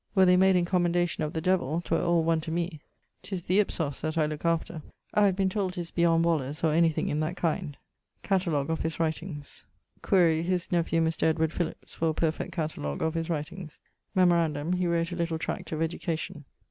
Were they made in commendation of the devill, 'twere all one to me: 'tis the ὕψος that I looke after. I have been told 'tis beyond Waller's or anything in that kind. <_Catalogue of his writings._> Quaere his nephew, Mr. Edward Philips, for a perfect catalogue of his writings. Memorandum, he wrote a little tract of education.